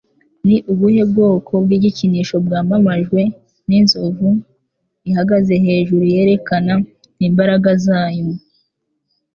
Ni ubuhe bwoko bw'igikinisho bwamamajwe n'inzovu ihagaze hejuru yerekana imbaraga zayo?